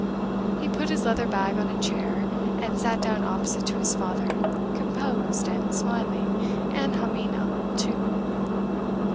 He put his leather bag on a chair, and sat down opposite to his father, composed, and smiling, and humming a little tune.